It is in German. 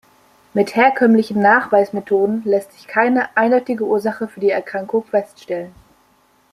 Mit herkömmlichen Nachweismethoden lässt sich keine eindeutige Ursache für die Erkrankung feststellen.